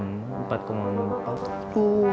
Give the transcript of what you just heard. lima jukan yakin